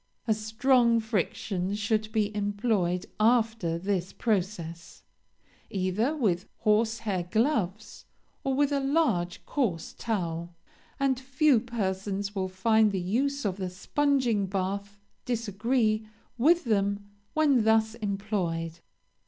A strong friction should be employed after this process, either with horsehair gloves or with a large coarse towel, and few persons will find the use of the sponging bath disagree with them when thus employed.